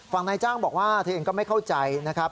นายจ้างบอกว่าเธอเองก็ไม่เข้าใจนะครับ